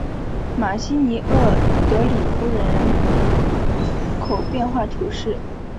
马西尼厄德里夫人口变化图示